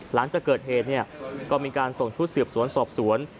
หลังจากเกิดเหตุก็มีการส่งชุดสืบสวนสอบสวน